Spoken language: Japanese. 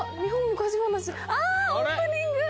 オープニング！